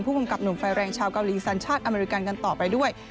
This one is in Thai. กำกับหนุ่มไฟแรงชาวเกาหลีสัญชาติอเมริกันกันต่อไปด้วย